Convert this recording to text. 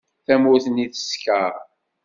Tawwurt-nni teskeṛ.